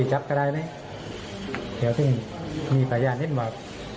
ยิ่งจับก็ดายไปเดี๋ยวซึ่งมีประหยาะนิดนึงว่า